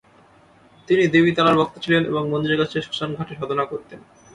তিনি দেবী তারার ভক্ত ছিলেন এবং মন্দিরের কাছে শ্মশানঘাটে সাধনা করতেন।